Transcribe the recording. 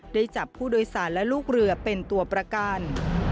ได้จับผู้โดยสารและลูกเรือเป็นตัวประกัน